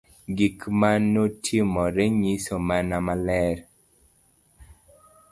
Gik ma notimore nyiso mano maler